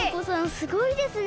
すごいですね！